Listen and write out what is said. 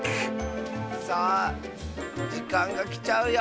さあじかんがきちゃうよ！